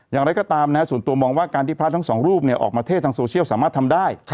อย่างไรก็ตามส่วนตัวมองว่าการที่พระทั้งสองรูปออกมาเทศทางโซเชียลสามารถทำได้